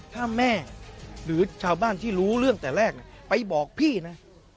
ถ้าแม่หรือชาวบ้านที่รู้เรื่องแต่แรกไปบอกพี่นะ